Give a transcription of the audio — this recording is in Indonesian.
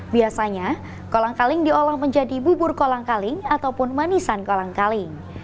biasanya kolang kaling diolah menjadi bubur kolang kaling ataupun manisan kolang kaling